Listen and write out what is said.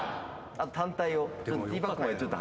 あと単体を。